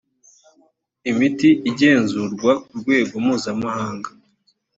imiti igenzurwa ku rwego mpuzamahanga